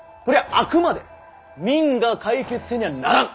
あくまで民が解決せにゃならん。